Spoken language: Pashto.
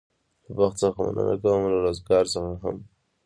له بخت څخه مننه کوم او له روزګار څخه هم.